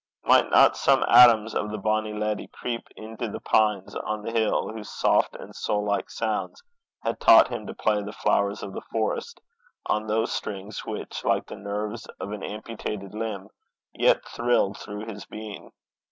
Might not some atoms of the bonny leddy creep into the pines on the hill, whose 'soft and soul like sounds' had taught him to play the Flowers of the Forest on those strings which, like the nerves of an amputated limb, yet thrilled through his being?